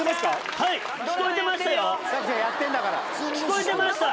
はい、聞こえてましたよ。